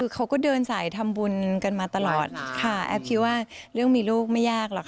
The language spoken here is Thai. เขาก็เดินสายทำบุญกันมาตลอดค่ะแอฟคิดว่าเรื่องมีลูกไม่ยากหรอกค่ะ